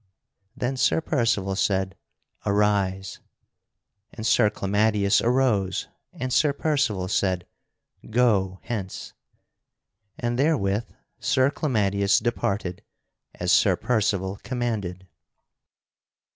Then Sir Percival said: "Arise"; and Sir Clamadius arose; and Sir Percival said: "Go hence"; and therewith Sir Clamadius departed as Sir Percival commanded.